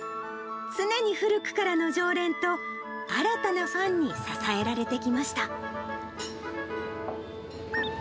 常に古くからの常連と新たなファンに支えられてきました。